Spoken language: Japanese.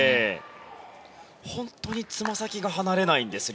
本当につま先が離れないんですよ